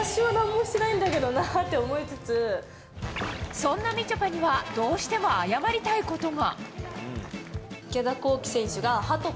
そんなみちょぱにはどうしても謝りたいことが。